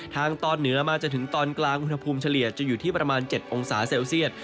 ทางตอนเหนือมาจนถึงตอนกลางอุณหภูมิเฉลี่ยจะอยู่ที่ประมาณ๗องศาเซลเซียต